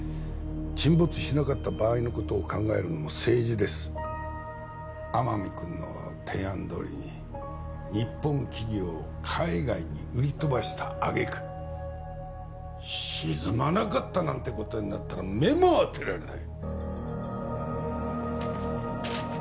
沈没しなかった場合のことを考えるのも政治です天海君の提案どおりに日本企業を海外に売り飛ばしたあげく沈まなかったなんてことになったら目も当てられない